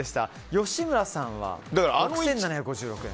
吉村さんは６７５６円。